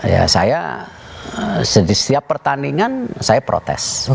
ya saya di setiap pertandingan saya protes